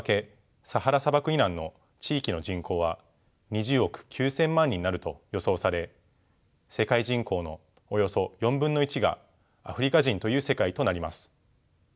砂漠以南の地域の人口は２０億９，０００万になると予想され世界人口のおよそ４分の１がアフリカ人という世界となります。